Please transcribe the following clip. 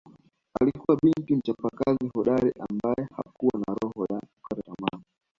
Alikuwa binti mchapakazi hodari ambae hakuwa na roho ya kukata tamaa